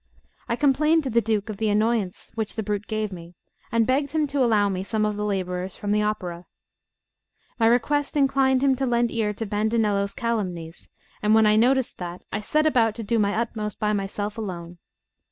I complained to the Duke of the annoyance which the brute gave me, and begged him to allow me some of the labourers from the Opera. My request inclined him to lend ear to Bandinello's calumnies; and when I noticed that, I set about to do my utmost by myself alone.